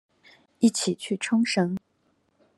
一起去沖繩